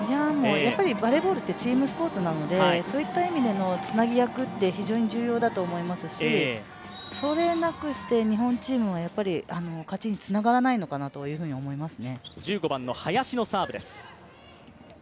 バレーボールってチームスポーツなのでそういった意味でのつなぎ役って非常に重要だと思いますし、それなくして、日本チーム勝ちにつながらないのかなと思います。